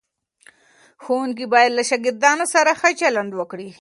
ښوونکي باید له شاګردانو سره ښه چلند وکړي.